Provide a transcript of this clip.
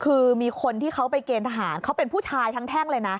คือมีคนที่เขาไปเกณฑ์ทหารเขาเป็นผู้ชายทั้งแท่งเลยนะ